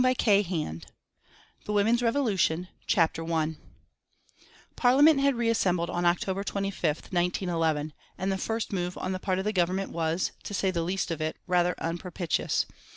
BOOK III THE WOMEN'S REVOLUTION CHAPTER I Parliament had reassembled on October 25th, 1911, and the first move on the part of the Government was, to say the least of it, rather unpropitious.